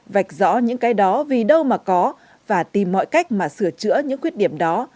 vạch rõ những cái đó vì đâu mà có và tìm mọi cách mà sửa chữa những khuyết điểm đó